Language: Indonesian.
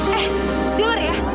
eh denger ya